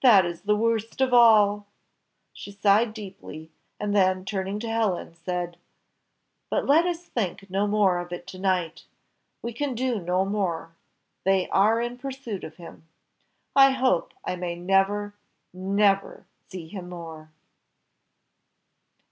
That is the worst of all!" She sighed deeply, and then, turning to Helen, said, "But let us think no more of it to night, we can do no more, they are in pursuit of him; I hope I may never, never, see him more."